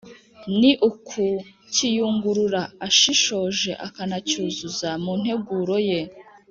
Ni ukukiyungurura ashishoje akanacyuzuza mu nteguro ye